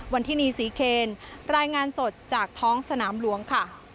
วันที่นี่ศรีเคนรายงานสดจากท้องสนามหลวงค่ะ